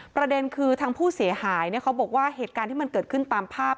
ประเด็นคือทางผู้เสียหายเขาบอกว่าเหตุการณ์ที่มันเกิดขึ้นตามภาพ